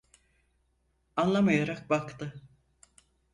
Anlamayarak baktı.